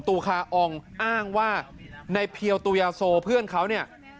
ตูคาอองอ้างว่าในเพียวตุยาโซเพื่อนเขาเนี่ย